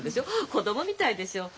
子供みたいでしょ。